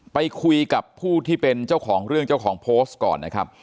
ไปคุยกับผู้ที่เป็นเจ้าของเรื่องเจ้าของโพสต์ก่อนนะครับ